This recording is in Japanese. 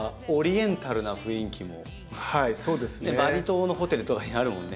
バリ島のホテルとかにあるもんね。